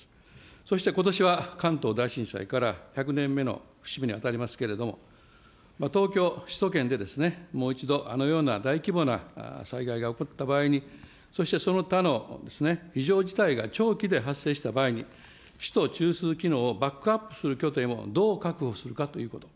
そして、ことしは、関東大震災から１００年目の節目に当たりますけれども、東京、首都圏で、もう一度あのような大規模な災害が起こった場合に、そして、その他の非常事態が長期で発生した場合に、首都中枢機能をバックアップする拠点をどう確保するかということ。